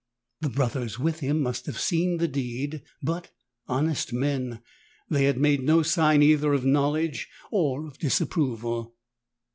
The Brothers with him must have seen the deed; but, honest men! they had made no sign either of knowledge or of disapproval.